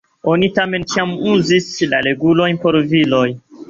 Oni tamen ĉiam uzis la regulojn por viroj.